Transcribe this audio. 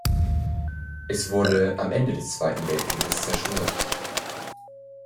Es wurde am Ende des Zweiten Weltkrieges zerstört.